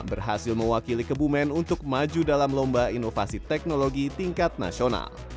berhasil mewakili kebumen untuk maju dalam lomba inovasi teknologi tingkat nasional